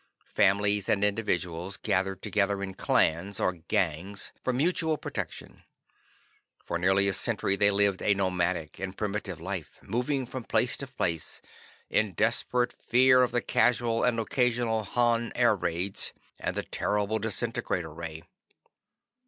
Families and individuals gathered together in clans or "gangs" for mutual protection. For nearly a century they lived a nomadic and primitive life, moving from place to place, in desperate fear of the casual and occasional Han air raids, and the terrible disintegrator ray.